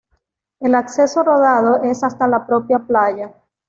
El acceso rodado es hasta la propia playa.